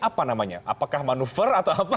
apa namanya apakah manuver